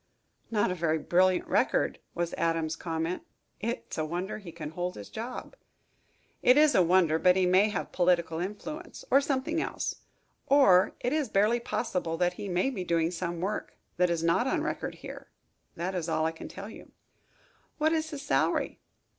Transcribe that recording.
"Not a very brilliant record," was Adams's comment. "It's a wonder he can hold his job." "It is a wonder. But he may have political influence, or something else, or, it is barely possible that he may be doing some work that is not on record here. That is all I can tell you." "What is his salary?"